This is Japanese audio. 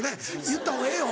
言ったほうがええよ。